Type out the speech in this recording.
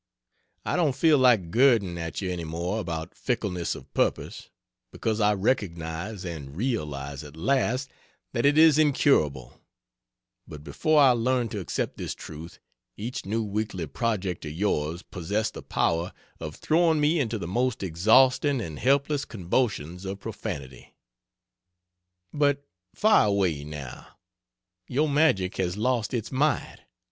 I don't feel like girding at you any more about fickleness of purpose, because I recognize and realize at last that it is incurable; but before I learned to accept this truth, each new weekly project of yours possessed the power of throwing me into the most exhausting and helpless convulsions of profanity. But fire away, now! Your magic has lost its might.